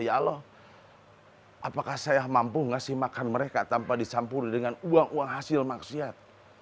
ya allah apakah saya mampu ngasih makan mereka tanpa dicampuri dengan uang uang hasil maksiat